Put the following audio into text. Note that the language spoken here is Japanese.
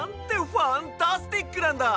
ファンタスティックなんだ！